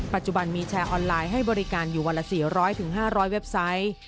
ปัจจุบันมีแชร์ออนไลน์ให้บริการอยู่วันละ๔๐๐๕๐๐เว็บไซต์